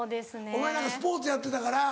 お前なんかスポーツやってたから。